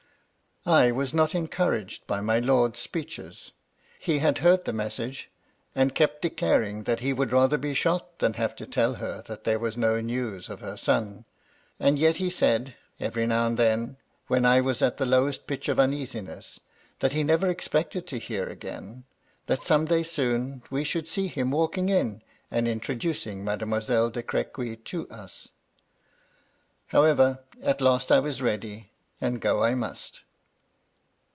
I was not encouraged by my lord's speeches. He had heard the message, and kept declaring that he would rather be shot than have to tell her that there was no news of her son ; and yet he said, every now and then, when I was at the lowest pitch of uneasiness, that he never expected to hear again : that some day soon we should see him walking in, and introducing Made moiselle de Crequy to us. " However, at last 1 was ready, and go I must.